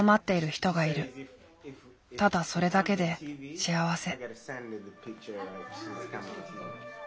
ただそれだけで幸せ。